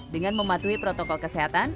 dengan mematuhi protokol kesehatan